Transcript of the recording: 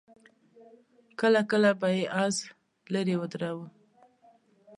کله کله به يې آس ليرې ودراوه.